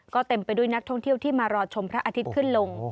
ก็เต็มไปด้วยนักท่องเที่ยวที่มารอชมพระอาทิตย์ขึ้นลง